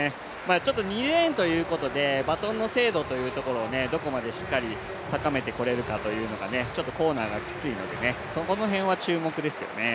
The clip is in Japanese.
ちょっと２レーンということで、バトンの精度というところをどこまでしっかり高めてこれるかというのがちょっとコーナーがきついのでそこの辺は注目ですよね。